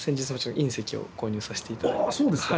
そうですか。